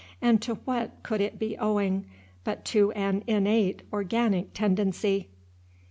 and to what could it be owing, but to an innate organic tendency?